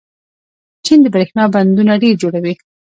چین د برښنا بندونه ډېر جوړوي.